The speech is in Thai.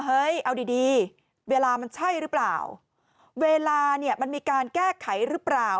เอาดีดีเวลามันใช่หรือเปล่าเวลาเนี่ยมันมีการแก้ไขหรือเปล่า